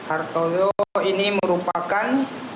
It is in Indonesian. artoyo ini merupakan